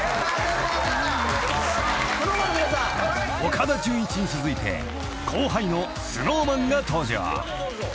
［岡田准一に続いて後輩のＳｎｏｗＭａｎが登場］